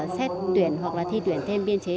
xét tuyển hoặc là thi tuyển thêm biên chế